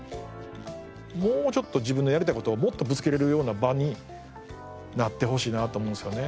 もうちょっと自分のやりたい事をもっとぶつけられるような場になってほしいなと思うんですよね。